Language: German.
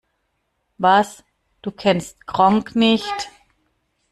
Was, du kennst Gronkh nicht?